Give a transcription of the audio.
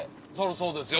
そうですよ。